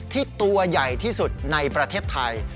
ตัวใหญ่ที่สุดในประเทศไทย